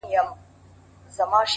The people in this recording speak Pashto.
o او د بت سترگي يې ښې ور اب پاشي کړې ـ